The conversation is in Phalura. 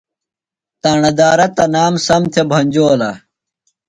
تاݨہ دارہ تنام سم تھےۡ بھنجولہ۔